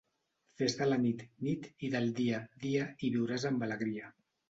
Fes de la nit, nit i del dia, dia i viuràs amb alegria.